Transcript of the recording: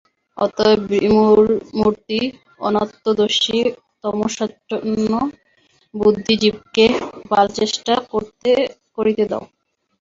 অতএব বিমূঢ়মতি অনাত্মদর্শী তমসাচ্ছন্নবুদ্ধি জীবকে বালচেষ্টা করিতে দাও।